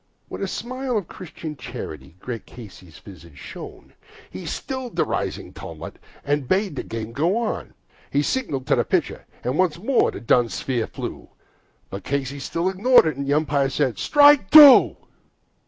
With a smile of Christian charity great Casey's visage shone: He stilled the rising tumult, he bade the game go on, He signaled to the pitcher, and once more the spheroid flew, But Casey still ignored it, and the umpire said, "Strike two."